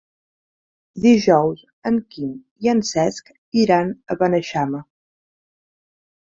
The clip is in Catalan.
Dijous en Quim i en Cesc iran a Beneixama.